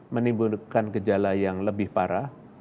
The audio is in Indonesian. menimbulkan gejala yang lebih parah